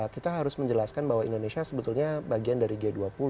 kita harus menjelaskan bahwa indonesia sebetulnya bagian dari g dua puluh